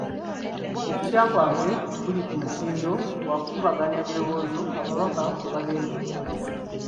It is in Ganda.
Okutya kwange kuli ku mutindo gwa kukubaganya birowoozo ababaka gwe bagenda okwolesa.